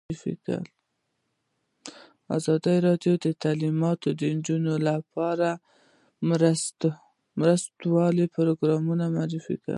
ازادي راډیو د تعلیمات د نجونو لپاره لپاره د مرستو پروګرامونه معرفي کړي.